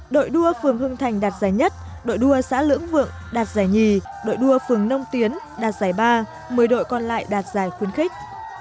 đội đua phường hưng thành đạt giải nhất đội đua xã lưỡng vượng đạt giải nhì đội đua phường nông tiến đạt giải ba một mươi đội còn lại đạt giải khuyến khích